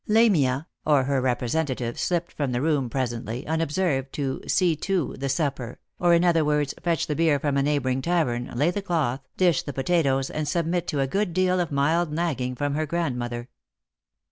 Lamia, or her representative, slipped from the room presently, unobserved, to " see to" the supper, or, in other words, fetch the beer from a neighbouring tavern, lay the cloth, dish the potatoes, and submit to a good deal of mild nagging from her grandmother. j^ost jor